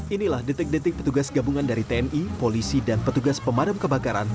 inilah detik detik petugas gabungan dari tni polisi dan petugas pemadam kebakaran